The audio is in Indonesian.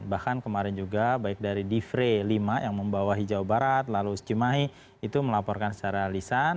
bahkan kemarin juga baik dari divre lima yang membawa hijau barat lalu cimahi itu melaporkan secara lisan